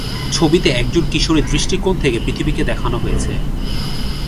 ছবিতে একজন কিশোরীর দৃষ্টিকোণ থেকে পৃথিবীকে দেখানো হয়েছে।